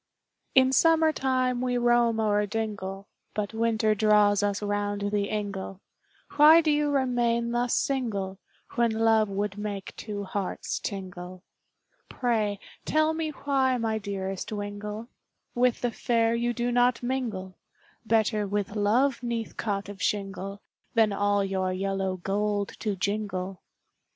In summer time we roam o'er dingle, But winter draws us round the ingle, Why do you remain thus single, When love would make two hearts tingle, Pray, tell me why my dearest wingle, With the fair you do not mingle, Better with love 'neath cot of shingle, Than all your yellow gold to jingle.